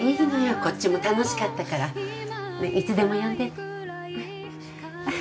こっちも楽しかったからいつでも呼んでね